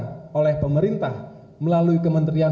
ketua dpd partai demokrat yang sah berkomplot dengan segelintir